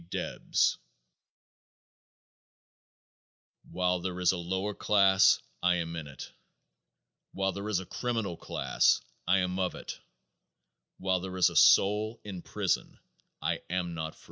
Debs While there is a lower class I am in it; While there is a criminal class I am of it; While there is a soul in prison I am not free.